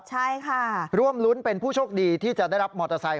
ใช่ค่ะร่วมรุ้นเป็นผู้โชคดีที่จะได้รับมอเตอร์ไซค